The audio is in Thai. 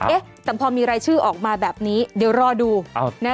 เอ๊ะแต่พอมีรายชื่อออกมาแบบนี้เดี๋ยวรอดู